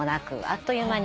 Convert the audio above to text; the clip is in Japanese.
あっという間。